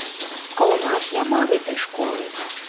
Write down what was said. А ў нас няма гэтай школы.